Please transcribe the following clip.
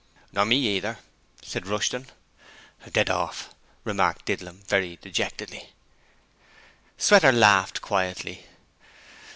'Nor me neither,' said Rushton. 'Dead orf!' remarked Didlum, very decidedly. Sweater laughed quietly.